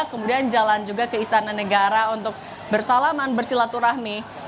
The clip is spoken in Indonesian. kemudian jalan juga ke istana negara untuk bersalaman bersilaturahmi